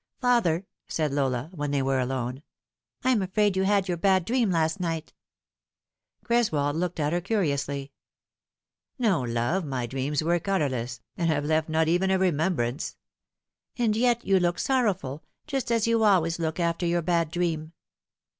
" Father," said Lola, when they were alone, " I'm afraid you had your bad dream last night." Greswold looked at her curiously. " No, love, my dreams were colourless, and have left not even a remembrance." " And yet you look sorrowful, just as you always look after your bad dream."